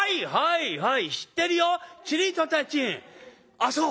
あそう。